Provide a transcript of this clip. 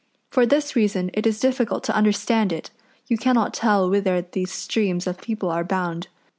For this reason it is difficult to understand it; you cannot tell whither these streams of people are bound.